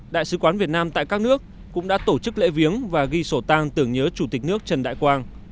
đại sứ quán việt nam tại các nước cũng đã tổ chức lễ viếng và ghi sổ tang tưởng nhớ chủ tịch nước trần đại quang